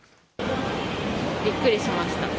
びっくりしました。